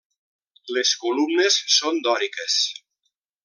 Les columnes són dòriques.